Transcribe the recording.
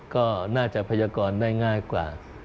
ก็น่าจะพยากรได้ง่ายกว่า